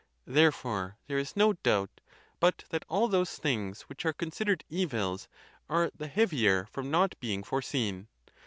Therefore, there is no doubt but that all those things which are considered evils are the heavier from not being fore seen.